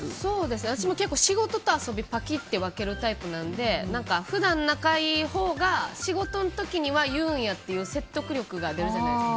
私も結構仕事と遊びをぱきっと分けるタイプなので普段、仲がいい時は仕事の時には言うんやっていう説得力が出るじゃないですか。